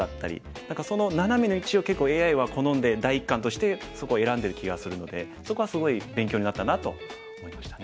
何かそのナナメの位置を結構ＡＩは好んで第一感としてそこを選んでる気がするのでそこはすごい勉強になったなと思いましたね。